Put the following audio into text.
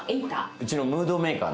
うちのムードメーカー。